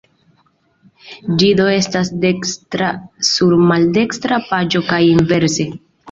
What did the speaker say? Ĝi do estas dekstra sur maldekstra paĝo kaj inverse.